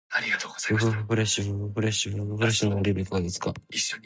ふふふフレッシュ、ふふふフレッシュ、ふふふフレッシュなオリーブいかがですか？